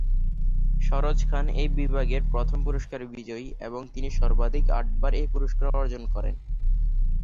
সরোজ খান এই বিভাগের প্রথম পুরস্কার বিজয়ী এবং তিনি সর্বাধিক আটবার এই পুরস্কার অর্জন করেন।